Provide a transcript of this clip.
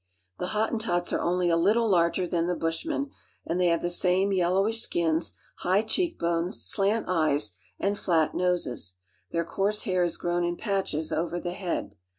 The Hottentots are only a little larger than the Bush K^en ; and they have the same yellowish skins, high cheek lones, slant eyes, and flat noses. Their coarse hair is frown in patches over the head.